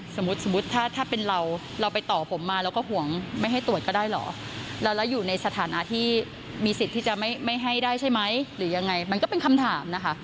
สมมุติถ้าถ้าเป็นเราเราไปต่อผมมาเราก็ห่วงไม่ให้ตรวจก็ได้เหรอแล้วอยู่ในสถานะที่มีสิทธิ์ที่จะไม่ให้ได้ใช่ไหมหรือยังไงมันก็เป็นคำถามนะคะ